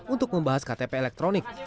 untuk membahas ktp elektronik